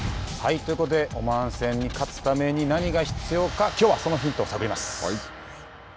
ということでオマーン戦に勝つために何が必要かきょうはそのヒントを探ります。